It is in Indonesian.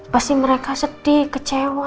pasti mereka sedih kecewa